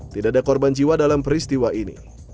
tidak ada korban jiwa dalam peristiwa ini